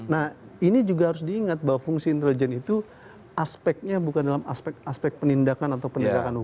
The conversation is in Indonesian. nah ini juga harus diingat bahwa fungsi intelijen itu aspeknya bukan dalam aspek aspek penindakan atau penegakan hukum